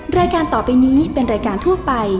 รายการต่อไปนี้เป็นรายการทั่วไป